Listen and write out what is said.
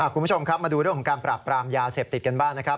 คุณผู้ชมครับมาดูเรื่องของการปราบปรามยาเสพติดกันบ้างนะครับ